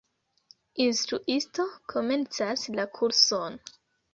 Instruisto komencas la kurson.